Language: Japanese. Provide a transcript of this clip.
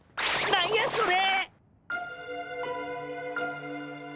何やあれ。